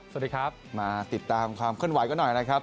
สวัสดีครับมาติดตามความเคลื่อนไหวกันหน่อยนะครับ